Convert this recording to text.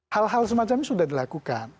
hal hal semacamnya sudah dilakukan